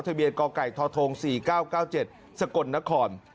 ทะเบียนกไก่ทท๔๙๙๗สกลนคร